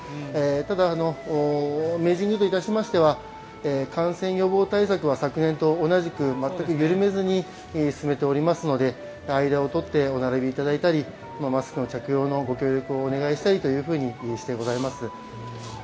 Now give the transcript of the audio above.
ただ、明治神宮といたしましては感染予防対策は昨年と同じく全く緩めずに進めておりますので間を取ってお並びいただいたりマスクの着用のご協力をお願いしたりとしております。